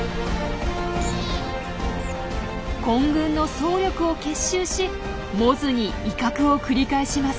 混群の総力を結集しモズに威嚇を繰り返します。